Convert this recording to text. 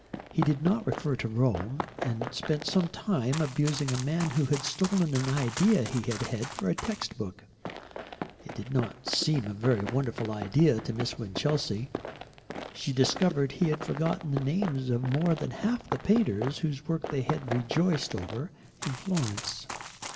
He did not refer to Rome, and spent some time abusing a man who had stolen an idea he had had for a text book. It did not seem a very wonderful idea to Miss Winchelsea. She discovered he had forgotten the names of more than half the painters whose work they had rejoiced over in Florence.